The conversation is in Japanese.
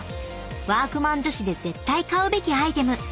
［＃ワークマン女子で絶対買うべきアイテム］